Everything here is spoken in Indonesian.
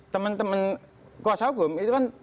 temen temen kuasa hukum itu kan